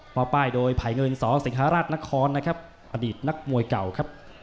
หมอป้ายโดยภัยเงิน๒สิงหาราชนครอดีตนักมวยเก่าครับ